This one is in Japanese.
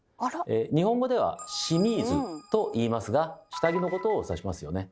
日本語では「シミーズ」といいますが下着のことを指しますよね。